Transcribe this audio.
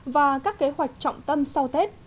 và các kế hoạch trọng tâm sau tết